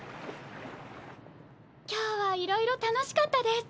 今日はいろいろ楽しかったです。